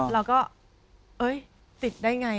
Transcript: เราก็เอ้ยติดได้ไง